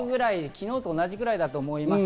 昨日と同じぐらいだと思います。